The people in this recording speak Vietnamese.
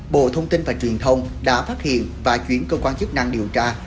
bộ thông tin và truyền thông đã phát hiện và chuyển cơ quan chức năng điều tra